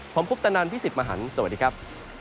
ผมพุทธนันทร์พิสิทธิ์มหันฯสวัสดีครับ